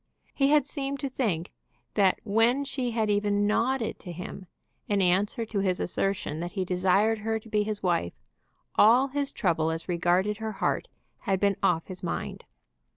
He had seemed to think that when she had even nodded to him, in answer to his assertion that he desired her to be his wife, all his trouble as regarded her heart had been off his mind.